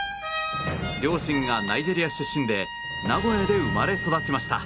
両親がナイジェリア出身で名古屋で生まれ育ちました。